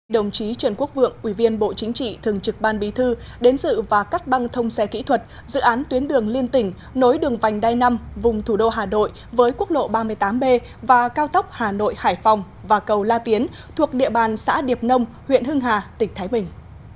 đồng chí trần quốc vượng ủy viên bộ chính trị thường trực ban bí thư đến dự và cắt băng thông xe kỹ thuật dự án tuyến đường liên tỉnh nối đường vành đai năm vùng thủ đô hà nội với quốc lộ ba mươi tám b và cao tốc hà nội hải phòng và cầu la tiến thuộc địa bàn xã điệp nông huyện hưng hà tỉnh thái bình